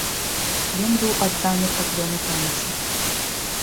Ён быў адданы праклёну памяці.